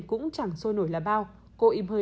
cũng chẳng sôi nổi là bao cô im hơi